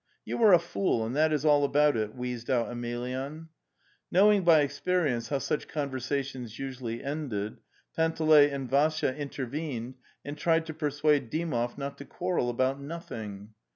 "' "You are a fool, and that is all about it!" wheezed out Emelyan. Knowing by experience how such conversations usually ended, Panteley and Vassya intervened and tried to persuade Dymoy not to quarrel about noth ing.